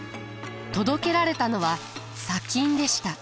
届けられたのは砂金でした。